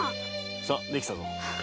さできたぞ。